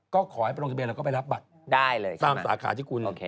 ก็ขอให้ไปลงทะเบียแล้วก็ไปรับบัตรได้เลยครับตามสาขาที่คุณ